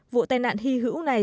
vụ tai nạn hy hữu này